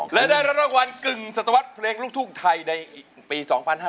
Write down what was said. และได้รับรางวัลกึ่งศัตวรรษเพลงลูกทุ่งไทยในปี๒๕๕๙